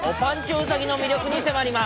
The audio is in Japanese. うさぎの魅力に迫ります。